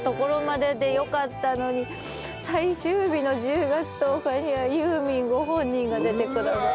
最終日の１０月１０日にはユーミンご本人が出てくださった。